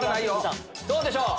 どうでしょう？